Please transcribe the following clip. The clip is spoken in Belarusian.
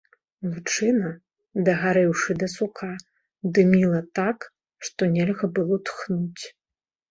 Лучына, дагарэўшы да сука, дыміла так, што нельга было тхнуць.